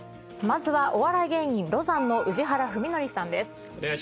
まずはお笑い芸人ロザンの宇治原史規さんです。